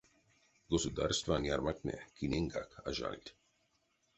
Государствань ярмактне киненьгак а жальть.